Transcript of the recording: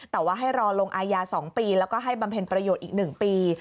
แต่ว่าให้รอลงอายา๒ปีแล้วก็ให้บำเพ็ญประโยชน์อีก๑ปี